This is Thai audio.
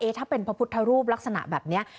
ถ้าเป็นพระพุทธรูปลักษณะแบบนี้